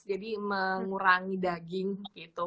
jadi mengurangi daging gitu